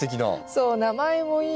そう名前もいいし。